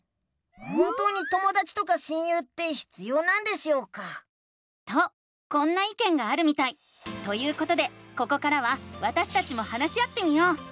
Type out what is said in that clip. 本当にともだちとか親友って必要なんでしょうか？とこんないけんがあるみたい！ということでここからはわたしたちも話し合ってみよう！